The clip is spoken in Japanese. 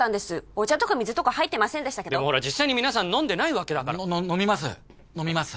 お茶とか水とか入ってませんでしたけどでもほら実際に皆さん飲んでないわけだから飲みます飲みます